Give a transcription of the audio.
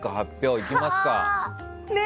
いきますか。